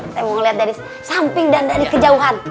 saya mau melihat dari samping dan dari kejauhan